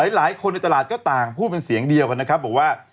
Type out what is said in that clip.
หลายคนในตลาดก็ต่างพูดเป็นเสียงเดียวกันนะครับบอกว่า